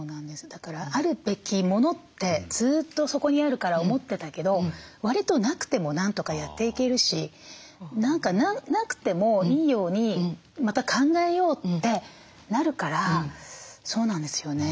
だからあるべき物ってずっとそこにあるから思ってたけどわりとなくてもなんとかやっていけるし何かなくてもいいようにまた考えようってなるからそうなんですよね。